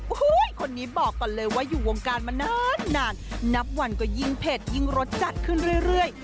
โอ้โหคนนี้บอกก่อนเลยว่าอยู่วงการมานานนับวันก็ยิ่งเผ็ดยิ่งรสจัดขึ้นเรื่อย